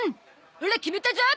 オラ決めたゾ！